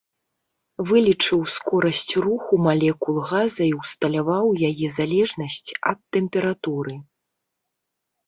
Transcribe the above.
Вылічыў скорасць руху малекул газа і ўсталяваў яе залежнасць ад тэмпературы.